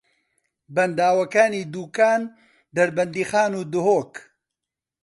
بەنداوەکانی دووکان، دەربەندیخان و دهۆک